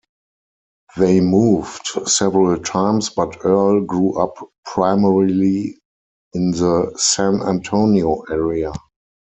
They moved several times but Earle grew up primarily in the San Antonio area.